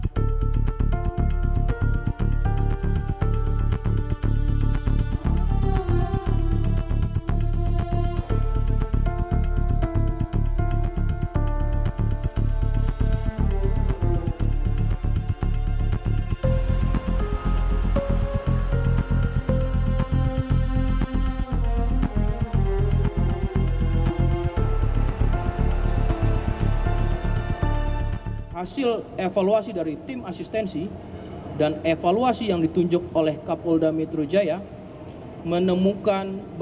tentang penyidikan tindak pidana